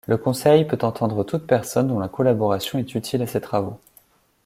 Le conseil peut entendre toute personne dont la collaboration est utile à ses travaux.